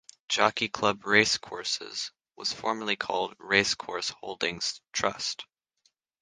Jockey Club Racecourses was formerly called Racecourse Holdings Trust.